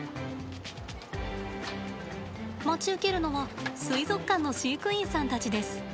待ち受けるのは水族館の飼育員さんたちです。